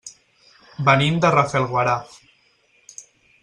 Venim de Rafelguaraf.